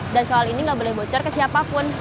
dan soal ini nggak boleh bocor ke siapapun